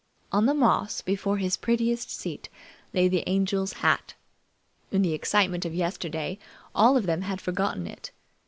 On the moss before his prettiest seat lay the Angel's hat. In the excitement of yesterday all of them had forgotten it.